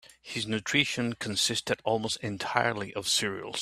His nutrition consisted almost entirely of cereals.